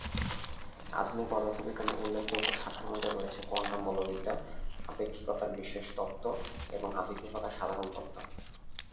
আধুনিক পদার্থবিজ্ঞানের উল্লেখযোগ্য শাখার মধ্যে রয়েছে কোয়ান্টাম বলবিদ্যা, আপেক্ষিকতার বিশেষ তত্ত্ব এবং আপেক্ষিকতার সাধারণ তত্ত্ব।